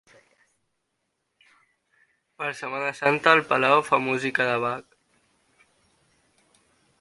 Per Setmana Santa, al Palau fan música de Bach.